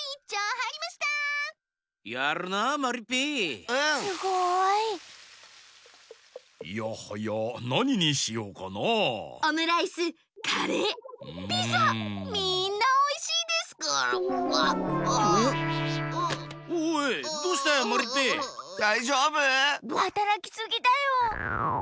はたらきすぎだよ。